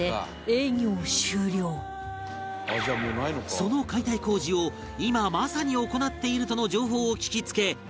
その解体工事を今まさに行っているとの情報を聞きつけ現場へ